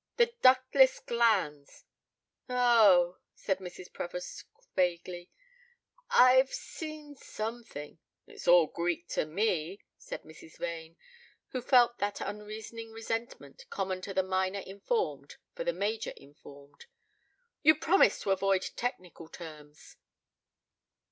"The ductless glands." "Oh," said Mrs. Prevost vaguely, "I've seen something " "It is all Greek to me," said Mrs. Vane, who felt that unreasoning resentment common to the minor informed for the major informed. "You promised to avoid technical terms."